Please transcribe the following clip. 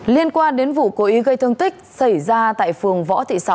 liên quan đến vụ cố ý gây thương tích xảy ra tại phường võ thị sáu